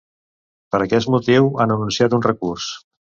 Per aquest motiu han anunciat un recurs.